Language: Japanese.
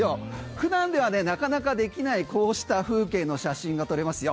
普段ではなかなかできないこうした風景の写真が撮れますよ。